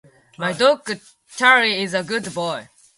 My dog Charlie is a good boy.